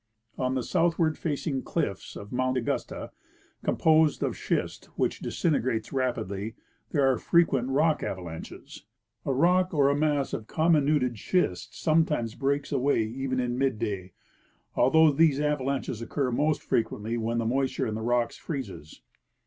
On the southward facing cliffs of Mount Augusta, composed of schist which disintegrates rapidly, there are frequent rock ava lanches. A rock or a mass of comminuted schist sometimes breaks away even in midday, although these avalanches occur most frequently when the moisture in the rocks freezes.